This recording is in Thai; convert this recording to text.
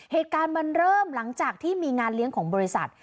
เหตุการณ์มันเริ่มหลังจากที่มีงานเลี้ยงของบริษัท